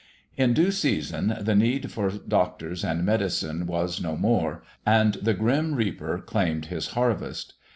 In due season the need for doctors and medicine was no more, and the grim reaper claimed his harvest.